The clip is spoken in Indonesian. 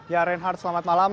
ya reinhardt selamat malam